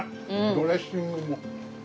ドレッシングも。